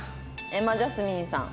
瑛茉ジャスミンさん。